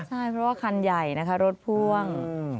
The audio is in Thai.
ใช่เพราะว่าคันใหญ่นะคะรถพ่วง